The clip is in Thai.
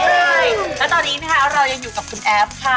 ใช่แล้วตอนนี้นะคะเรายังอยู่กับคุณแอฟค่ะ